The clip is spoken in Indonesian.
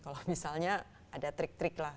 kalau misalnya ada trik trik lah